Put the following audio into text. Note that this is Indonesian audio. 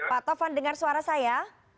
pak tovan dengar suara saya